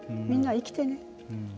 みんな生きてね。